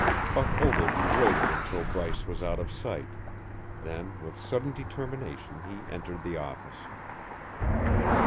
Buck Ogilvy waited until Bryce was out of sight; then with sudden determination he entered the office.